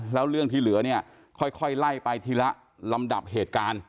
แล้วเรื่องที่เหลือเนี่ยค่อยไล่ไปทีละลำดับเหตุการณ์